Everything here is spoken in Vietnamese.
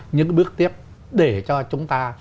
những bước tiếp để cho chúng ta